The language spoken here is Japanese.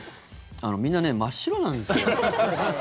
みんな真っ白なんですよ。